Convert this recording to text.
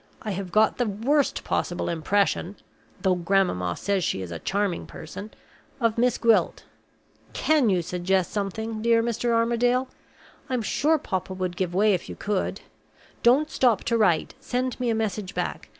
I have got the worst possible impression (though grandmamma says she is a charming person) of Miss Gwilt. Can you suggest something, dear Mr. Armadale? I'm sure papa would give way if you could. Don't stop to write; send me a message back.